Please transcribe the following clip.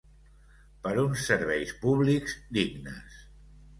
Per uns serveis públics dignes!